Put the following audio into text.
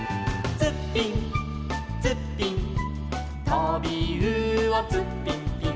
「ツッピンツッピン」「とびうおツッピンピン」